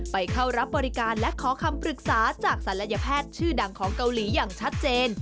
ไปเข้ารับบริการและขอคำปรึกษาจากศัลยแพทย์ชื่อดังของเกาหลีอย่างชัดเจน